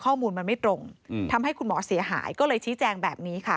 ข้อมูลมันไม่ตรงทำให้คุณหมอเสียหายก็เลยชี้แจงแบบนี้ค่ะ